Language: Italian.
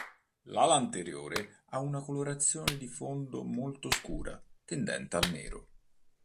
L'ala anteriore ha una colorazione di fondo molto scura, tendente al nero.